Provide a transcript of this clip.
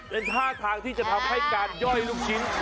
เป็นท่าทางที่จะทำให้การย่อยลูกชิ้น